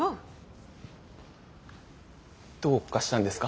どうかしたんですか？